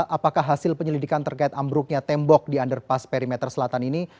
untuk hal ini apakah hasil penyelidikan terkait ambruknya tembok di underpass perimeter selatan ini